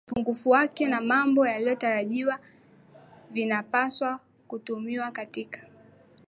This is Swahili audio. upungufu wake na mambo yasiyotarajiwa na vinapaswa kutumiwa katika